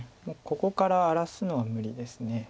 もうここから荒らすのは無理です。